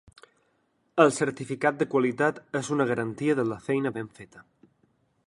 El certificat de qualitat és una garantia de la feina ben feta.